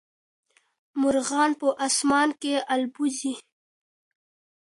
مرغان په اسمان کي البوځي.